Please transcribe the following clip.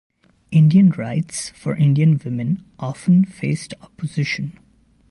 Indian Rights for Indian Women often faced opposition.